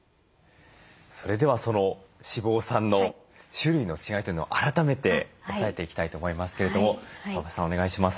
それでは脂肪酸の種類の違いというのを改めて押さえていきたいと思いますけれども川端さんお願いします。